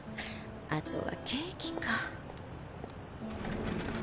あとはケーキか。